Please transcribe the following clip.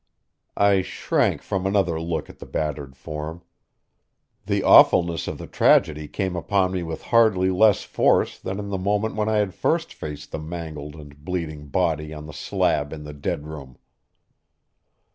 I shrank from another look at the battered form. The awfulness of the tragedy came upon me with hardly less force than in the moment when I had first faced the mangled and bleeding body on the slab in the dead room.